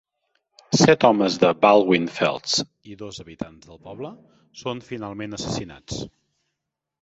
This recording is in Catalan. Set homes de Baldwin-Felts i dos habitants del poble són finalment assassinats.